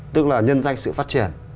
tức là nhân doanh sự phát triển